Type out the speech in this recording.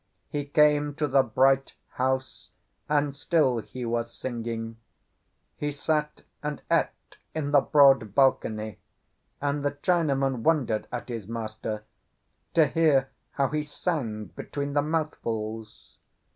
He came to the Bright House, and still he was singing. He sat and ate in the broad balcony, and the Chinaman wondered at his master, to hear how he sang between the mouthfuls.